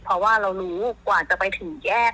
เพราะว่าเรารู้กว่าจะไปถึงแยก